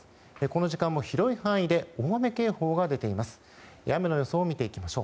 この時間も広い範囲で大雨警報が出ています。